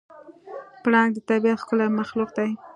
پړانګ د طبیعت ښکلی مخلوق دی.